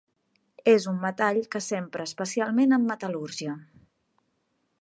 És un metall que s'empra especialment en metal·lúrgia.